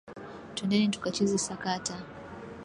Twendeni tukacheze sakata.